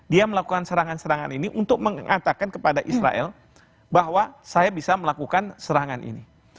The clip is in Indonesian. dia melakukan serangan serangan ini untuk mengatakan kepada israel bahwa saya bisa melakukan serangan ini